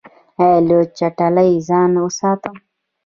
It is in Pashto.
ایا له چټلۍ ځان وساتم؟